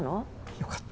よかった。